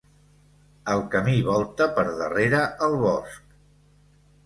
El camí volta per darrere el bosc.